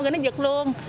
rồi nó giật luôn